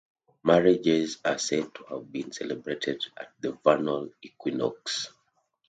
Marriages are said to have been celebrated at the vernal equinox.